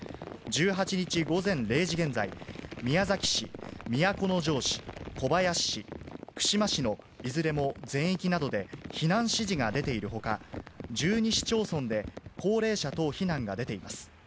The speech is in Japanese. １８日午前０時現在、宮崎市、都城市、小林市、串間市のいずれも全域などで、避難指示が出ているほか、１２市町村で高齢者等避難が出ています。